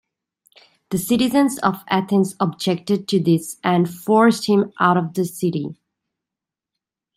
The citizens of Athens objected to this and forced him out of the city.